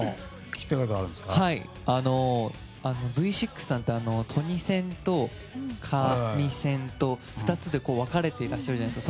Ｖ６さんはトニセンとカミセンと２つで分かれていらっしゃるじゃないですか。